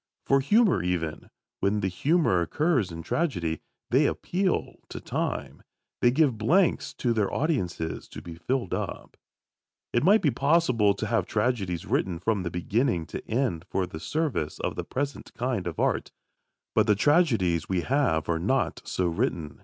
For humour even, when the humour occurs in tragedy, they appeal to time. They give blanks to their audiences to be filled up. It might be possible to have tragedies written from beginning to end for the service of the present kind of "art." But the tragedies we have are not so written.